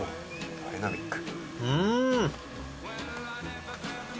ダイナミック。